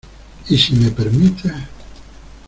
y si me permites...